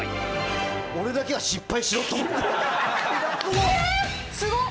俺だけは失敗しろと思ってえっすごっ！